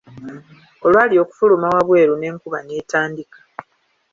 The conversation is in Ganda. Olwali okufuluma wabweru, n'enkuba n'etandika.